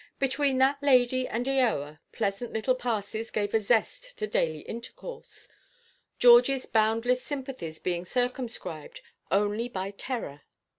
Between that lady and Eoa pleasant little passes gave a zest to daily intercourse, Georgieʼs boundless sympathies being circumscribed only by terror.